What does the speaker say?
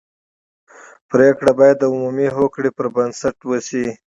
پرېکړه باید د عمومي هوکړې پر بنسټ وشي.